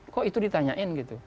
kok itu ditanyain gitu